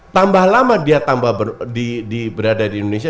tambah lama dia berada di indonesia